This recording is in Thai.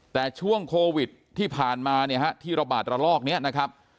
แต่ช่วงโควิดที่ผ่านมาเนี่ยฮะที่ระบาดระลอกนี้นะครับ